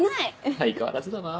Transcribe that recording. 相変わらずだな。